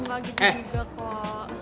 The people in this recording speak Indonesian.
engga gitu juga kak